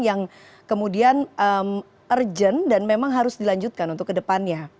yang kemudian urgent dan memang harus dilanjutkan untuk kedepannya